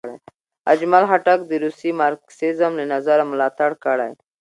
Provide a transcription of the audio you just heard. اجمل خټک د روسي مارکسیزم له نظره ملاتړ کړی.